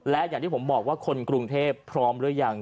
และอย่างที่ผมบอกว่าคนกรุงเทพพร้อมหรือยัง